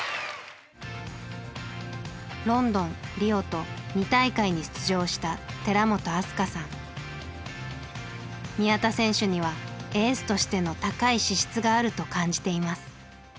ロンドンリオと２大会に出場した宮田選手にはエースとしての高い資質があると感じています。